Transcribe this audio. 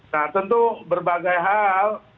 nah tentu berbagai hal